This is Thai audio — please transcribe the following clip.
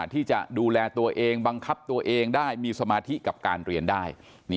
ที่จะดูแลตัวเองบังคับตัวเองได้มีสมาธิกับการเรียนได้